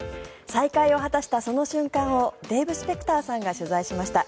再会を果たしたその瞬間をデーブ・スペクターさんが取材しました。